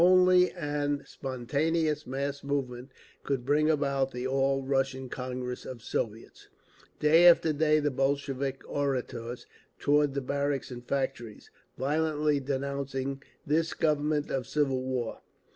Only an spontaneous mass movement could bring about the All Russian Congress of Soviets…. Day after day the Bolshevik orators toured the barracks and factories, violently denouncing "this Government of civil war."